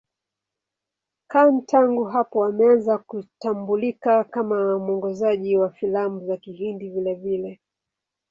Khan tangu hapo ameanza kutambulika kama mwongozaji wa filamu za Kihindi vilevile.